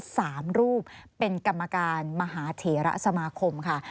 สามรูปเป็นกรรมการมหาเถระสมาคมค่ะ